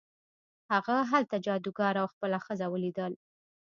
هغه هلته جادوګر او خپله ښځه ولیدل.